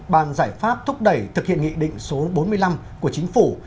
bàn giải pháp thúc đẩy thực hiện nghị định số bốn mươi năm của chính phủ